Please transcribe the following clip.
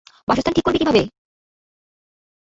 বাসস্থান ঠিক করবি কীভাবে?